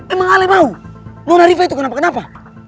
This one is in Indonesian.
emang ale mau nona riva itu kenapa kenapa